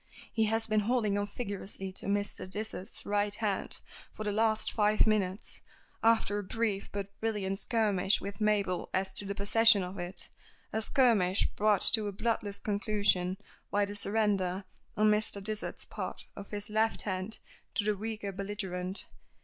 He has been holding on vigorously to Mr. Dysart's right hand for the last five minutes, after a brief but brilliant skirmish with Mabel as to the possession of it a skirmish brought to a bloodless conclusion by the surrender, on Mr. Dysart's part, of his left hand to the weaker belligerent.